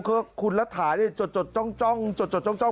คือคุณรัฐาเนี่ยจดจดจ้องจ้องจดจดจ้องจ้อง